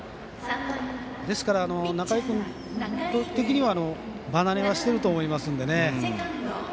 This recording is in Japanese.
ですから、仲井君的には場慣れはしてると思いますのでね。